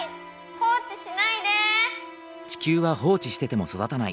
放置しないで。